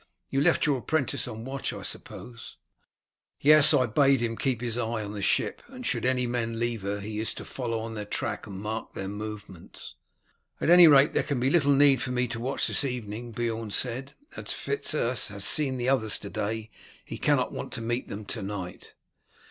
You left your apprentice on the watch, I suppose?" "Yes, I bade him keep his eye on the ship, and should any men leave her he is to follow on their track and mark their movements." "At any rate there can be little need for me to watch this evening," Beorn said. "As Fitz Urse has seen the others to day he cannot want to meet them to night."